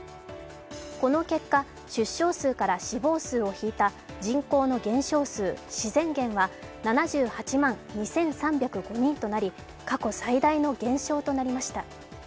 この結果、出生数から死亡数を引いた人口の減少数、自然減は７８万２３０５人となり、過去最大の減少となりました。